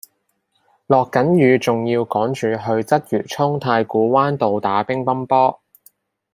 落緊雨仲要趕住去鰂魚涌太古灣道打乒乓波